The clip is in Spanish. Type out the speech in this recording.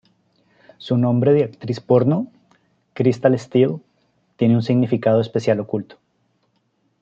Su nombre de actriz porno, Krystal Steal, tiene un significado especial oculto.